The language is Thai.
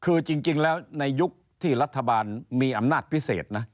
คือจริงแล้วในยุคที่รัฐบาลมีอำนาจพิเศษนะ